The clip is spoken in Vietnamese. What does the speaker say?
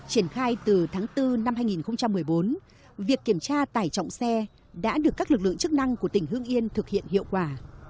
triển khai từ tháng bốn năm hai nghìn một mươi bốn việc kiểm tra tải trọng xe đã được các lực lượng chức năng của tỉnh hương yên thực hiện hiệu quả